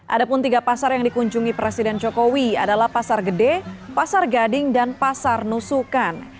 ada pun tiga pasar yang dikunjungi presiden jokowi adalah pasar gede pasar gading dan pasar nusukan